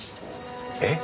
えっ？